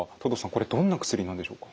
これどんな薬なんでしょうか？